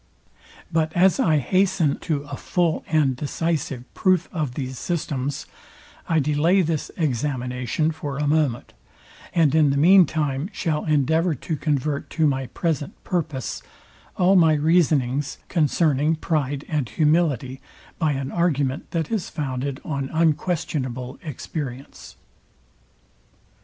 But as I hasten a full and decisive proof of these systems, I delay this examination for a moment: And in the mean time shall endeavour to convert to my present purpose all my reasonings concerning pride and humility, by an argument that is founded on unquestionable examination.